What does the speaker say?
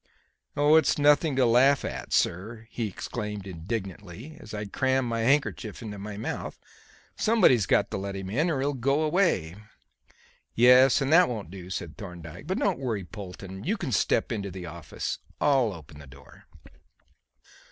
"Oh, it's nothing to laugh at, sir," he exclaimed indignantly as I crammed my handkerchief into my mouth. "Somebody's got to let him in, or he'll go away." "Yes; and that won't do," said Thorndyke. "But don't worry, Polton. You can step into the office. I'll open the door."